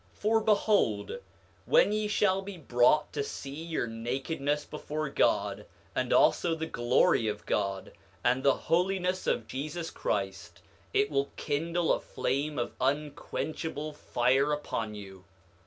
9:5 For behold, when ye shall be brought to see your nakedness before God, and also the glory of God, and the holiness of Jesus Christ, it will kindle a flame of unquenchable fire upon you.